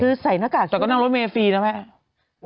แต่ก็นั่งรถเมฟร์ฟรีนะแม่ะ